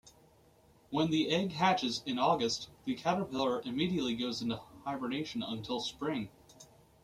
When the egg hatches in August, the caterpillar immediately goes into hibernation until spring.